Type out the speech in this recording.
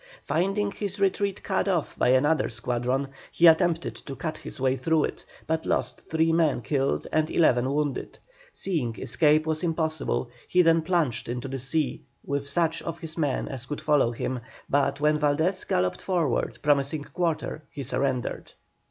Finding his retreat cut off by another squadron, he attempted to cut his way through it, but lost three men killed and eleven wounded. Seeing escape was impossible, he then plunged into the sea with such of his men as could follow him, but, when Valdés galloped forward promising quarter, he surrendered.